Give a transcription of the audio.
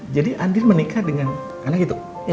jadi andi menikah dengan anak itu